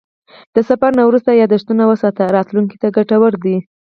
د سفر نه وروسته یادښتونه وساته، راتلونکي ته ګټور دي.